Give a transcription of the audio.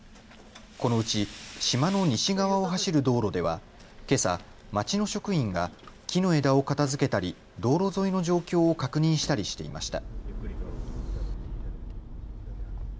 このうち島の西側を走る道路ではけさ町の職員が木の枝を片づけたり道路沿いの状況を確認したりしていました。